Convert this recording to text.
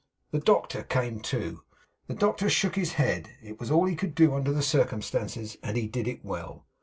The doctor came too. The doctor shook his head. It was all he could do, under the circumstances, and he did it well.